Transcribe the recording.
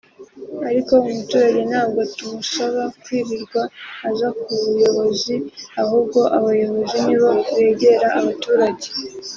ariko umuturage ntabwo tumusaba kwirirwa aza ku buyobozi ahubwo abayobozi ni bo begera abaturage